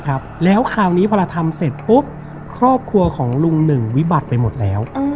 ครับแล้วคราวนี้พอเราทำเสร็จปุ๊บครอบครัวของลุงหนึ่งวิบัติไปหมดแล้ว